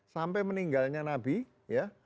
sampai meninggalnya nabi ya